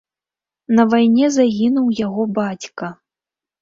На вайне загінуў яго бацька.